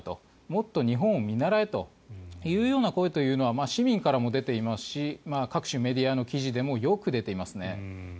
もっと日本を見習えというような声というのは市民からも出ていますし各種メディアの記事でもよく出ていますね。